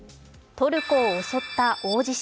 トルコを襲った大地震。